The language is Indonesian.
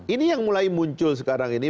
ini yang mulai muncul sekarang ini